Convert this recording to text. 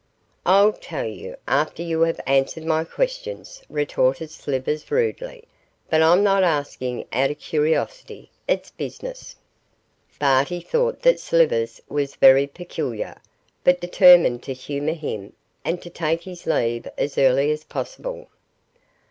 'I'll tell you after you have answered my questions,' retorted Slivers, rudely, 'but I'm not asking out of curiosity its business.' Barty thought that Slivers was very peculiar, but determined to humour him, and to take his leave as early as possible.